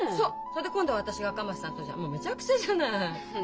それで今度は私が赤松さんとじゃもうめちゃくちゃじゃない。